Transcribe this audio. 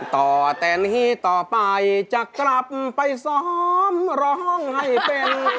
ต่อแต่นี้ต่อไปจะกลับไปซ้อมร้องให้เป็น